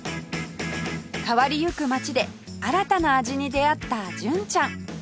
変わりゆく街で新たな味に出会った純ちゃん